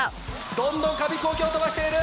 どんどん紙ヒコーキを飛ばしている！